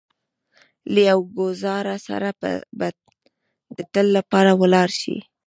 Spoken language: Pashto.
له يو ګوزار سره به د تل لپاره ولاړ شئ.